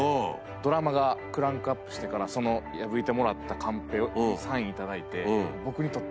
ドラマがクランクアップしてからその破いてもらったカンペにサイン頂いて。